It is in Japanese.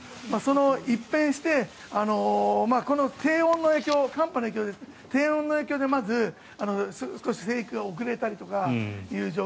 一変して、この低温の影響寒波の影響で低温の影響でまず生育が遅れたりとかという状況。